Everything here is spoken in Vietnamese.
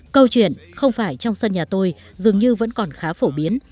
câu chuyện không phải trong sân nhà tôi dường như vẫn còn khá phổ biến